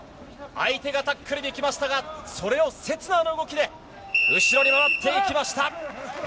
相手がタックルにきましたがそれを刹那の動きで後ろに回っていきました。